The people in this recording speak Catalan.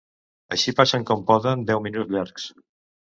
Així passen com poden deu minuts llargs.